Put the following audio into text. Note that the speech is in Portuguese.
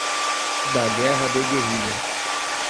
da guerra de guerrilha